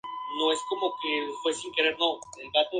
Muchas veces la libertad es "vendida" a cambio de otras situaciones.